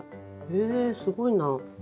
へえすごいな。